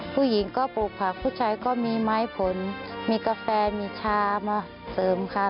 ผู้หญิงก็ปลูกผักผู้ชายก็มีไม้ผลมีกาแฟมีชามาเสริมค่ะ